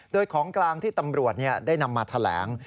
โดยของกลางที่ตำรวจได้นำมาแถลง